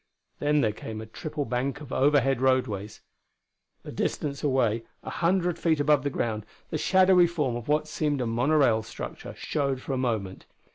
Then there came a triple bank of overhead roadways. A distance away, a hundred feet above the ground level, the shadowy form of what seemed a monorail structure showed for a moment.